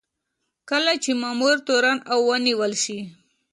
کله چې مامور تورن او ونیول شي.